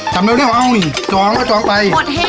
ต่ำเร็วเร็วเอาอ้าวนี่จำแล้วจำไปปลดแห้ง